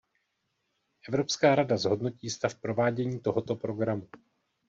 Evropská rada zhodnotí stav provádění tohoto programu.